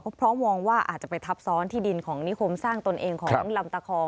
เพราะมองว่าอาจจะไปทับซ้อนที่ดินของนิคมสร้างตนเองของลำตะคอง